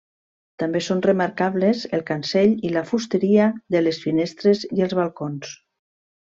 També són remarcables el cancell i la fusteria de les finestres i els balcons.